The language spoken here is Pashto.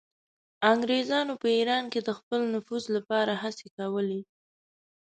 انګریزانو په ایران کې د خپل نفوذ لپاره هڅې کولې.